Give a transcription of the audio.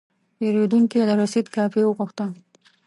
پیرودونکی د رسید کاپي وغوښته.